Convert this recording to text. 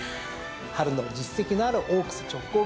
春の実績のあるオークス直行組なのか。